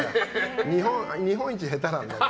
日本一下手なんだよ。